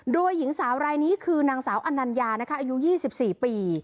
โดยหญิงสาวรายนี้คือนางสาวอนัญญานะคะอายุ๒๔ปี